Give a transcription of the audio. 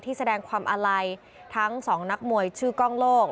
แสดงความอาลัยทั้งสองนักมวยชื่อกล้องโลก